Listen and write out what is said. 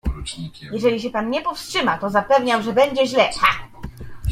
"Jeżeli się pan nie powstrzyma, to zapewniam, że będzie źle... Ha!"